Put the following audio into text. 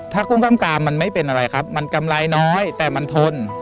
ถ้ากุ้งกล้ามกามมันไม่เป็นอะไรครับมันกำไรน้อยแต่มันทน